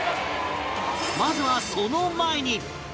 まずはその前に